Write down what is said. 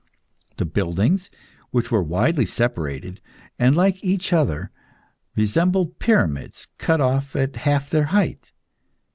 The buildings, which were widely separated and like each other, resembled pyramids cut off at half their height.